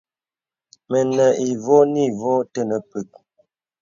Mənə ivɔ̄ɔ̄ nì vɔ̄ɔ̄ tənə pək.